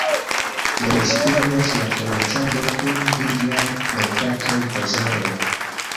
Menciindas la komercado kun viglaj merkatoj, bazaroj.